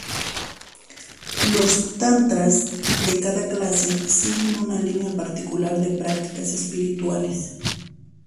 Los Tantras de cada clase siguen una línea particular de prácticas espirituales.